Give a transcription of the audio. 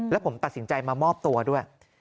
แล้วผมตัดสินใจมามอบตัวด้วย